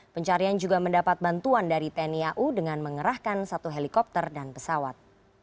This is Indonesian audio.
pencarian juga mendapat bantuan dari tni au dengan mengerahkan satu helikopter dan pesawat